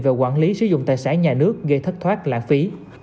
về quản lý sử dụng tài sản nhà nước gây thất thoát lãng phí